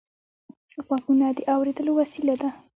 غوږونه د اورېدلو وسیله ده